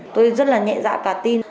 tôi rất là nhẹ dạ cả tin